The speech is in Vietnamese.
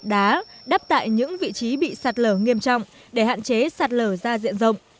đất đá đắp tại những vị trí bị sạt lở nghiêm trọng để hạn chế sạt lở ra diện rộng